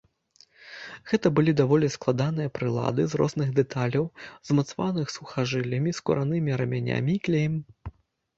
Гэта былі даволі складаныя прылады з розных дэталяў, змацаваных сухажыллямі, скуранымі рамянямі і клеем.